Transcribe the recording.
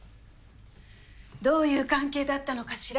どういう関係だったのかしら？